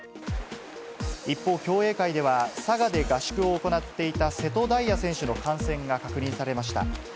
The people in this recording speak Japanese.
一方、競泳界では、佐賀で合宿を行っていた瀬戸大也選手の感染が確認されました。